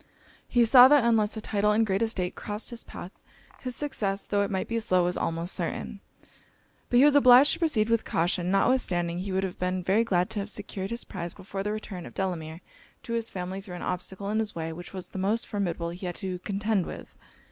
He saw, that unless a title and great estate crossed his path, his success, tho' it might be slow, was almost certain. But he was obliged to proceed with caution; notwithstanding he would have been very glad to have secured his prize before the return of Delamere to his family threw an obstacle in his way which was the most formidable he had to contend with.